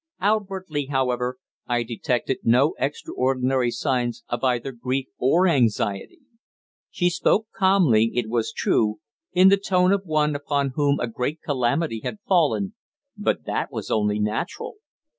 Outwardly, however, I detected no extraordinary signs of either grief or anxiety. She spoke calmly, it was true, in the tone of one upon whom a great calamity had fallen, but that was only natural.